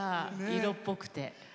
色っぽくて。